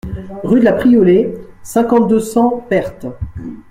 Rue de la Priolée, cinquante-deux, cent Perthes